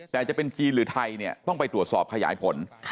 แต่จะเป็นจีนหรือไทยเนี่ยต้องไปตรวจสอบขยายผล